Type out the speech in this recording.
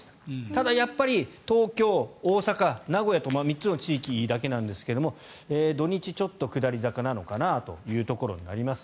ただ、やっぱり東京、大阪、名古屋と３つの地域だけなんですが土日ちょっと下り坂なのかなと思います。